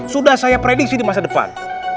sudah saya prediksi di masa depan